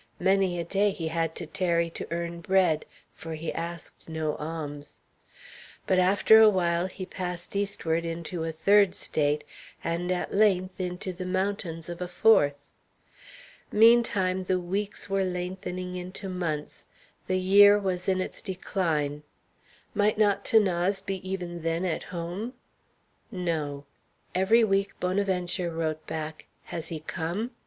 Many a day he had to tarry to earn bread, for he asked no alms. But after a while he passed eastward into a third State, and at length into the mountains of a fourth. Meantime the weeks were lengthening into months; the year was in its decline. Might not 'Thanase be even then at home? No. Every week Bonaventure wrote back, "Has he come?"